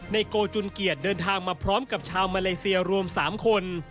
โกจุนเกียรติเดินทางมาพร้อมกับชาวมาเลเซียรวม๓คน